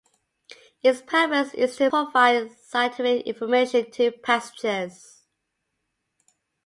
Its purpose is to provide scientific information to passengers.